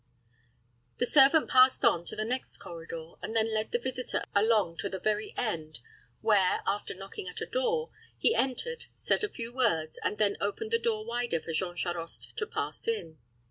The servant passed on to the next corridor, and then led the visitor along to the very end, where, after knocking at a door, he entered, said a few words, and then opened the door wider for Jean Charost to pass in.